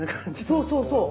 そうそうそう。